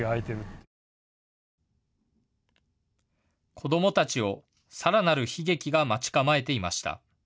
子どもたちをさらなる悲劇が待ち構えていました。